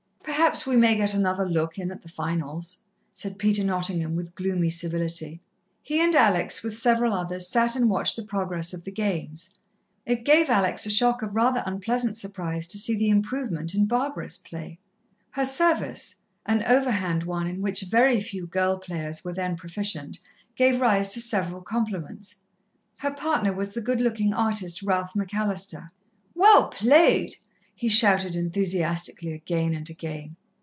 "Perhaps we may get another look in at the finals," said Peter Nottingham, with gloomy civility. He and Alex, with several others, sat and watched the progress of the games. It gave Alex a shock of rather unpleasant surprise to see the improvement in Barbara's play. Her service, an overhand one in which very few girl players were then proficient, gave rise to several compliments. Her partner was the good looking artist, Ralph McAllister. "Well played!" he shouted enthusiastically, again and again.